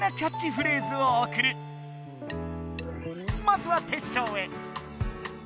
まずはテッショウへ。